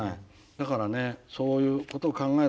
だからねそういうことを考えると。